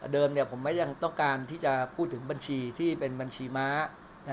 เดิมผมไม่ต้องการพูดถึงบัญชีที่เป็นบัญชีม้า